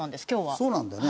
そうなんだよね。